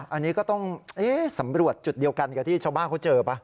อันนี้ก็ต้องสำรวจจุดเดียวกันกับที่ชาวบ้านเขาเจอป่ะ